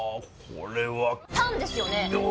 タンですよね？